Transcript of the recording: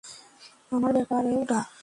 আমার ব্যাপারেও না।